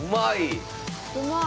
うまい！